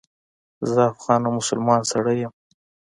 زه افغان او مسلمان سړی یم.